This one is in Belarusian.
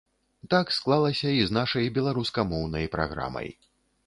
Так склалася і з нашай беларускамоўнай праграмай.